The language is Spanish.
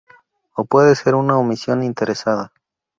o puede ser una omisión interesada